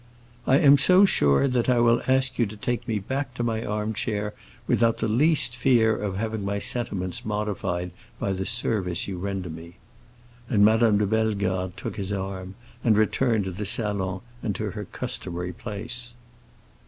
"I am so sure that I will ask you to take me back to my armchair without the least fear of having my sentiments modified by the service you render me." And Madame de Bellegarde took his arm, and returned to the salon and to her customary place.